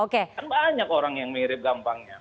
kan banyak orang yang mirip gampangnya